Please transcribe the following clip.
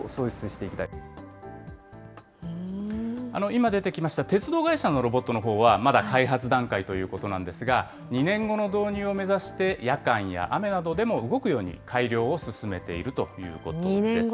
今出てきました鉄道会社のロボットのほうは、まだ開発段階ということなんですが、２年後の導入を目指して、夜間や雨などでも動くように改良を進めているということです。